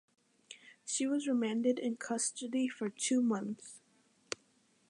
She was remanded in custody for two months.